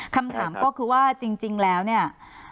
คำถามก็คือว่าจริงแล้วเนี่ย